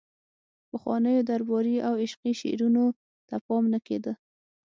پخوانیو درباري او عشقي شعرونو ته پام نه کیده